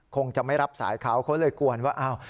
คงจะไม่รับสายเขาเขาเลยกวนว่าอ้าว